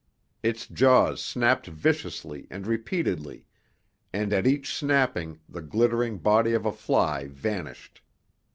Its jaws snapped viciously and repeatedly, and at each snapping the glittering body of a fly vanished.